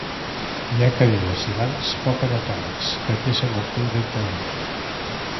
Hi ha cadires i bancs poc anatòmics que et deixen el cul ben quadrat